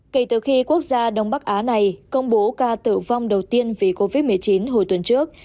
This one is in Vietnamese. kể từ khi quốc gia đông bắc á này công bố ca tử vong đầu tiên vì covid một mươi chín hồi tuần trước